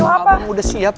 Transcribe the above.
sel nih mobilnya udah siap